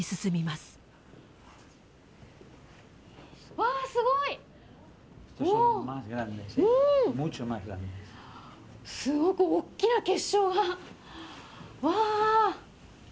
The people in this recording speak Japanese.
すごく大きな結晶がわあ。